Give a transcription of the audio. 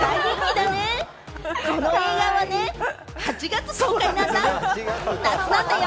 この映画は８月公開なんだ、夏なんだよ！